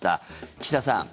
岸田さん